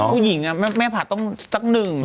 ผู้หญิงแม่ผัดต้องสักหนึ่ง